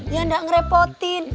ya enggak ngerepotin